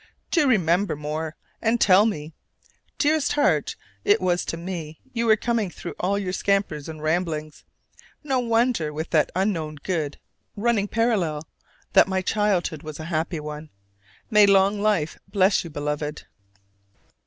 Do remember more, and tell me! Dearest heart, it was to me you were coming through all your scampers and ramblings; no wonder, with that unknown good running parallel, that my childhood was a happy one. May long life bless you, Beloved!